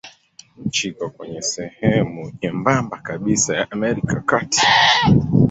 Nchi iko kwenye sehemu nyembamba kabisa ya Amerika ya Kati.